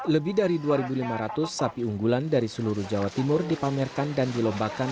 lebih dari dua lima ratus sapi unggulan dari seluruh jawa timur dipamerkan dan dilombakan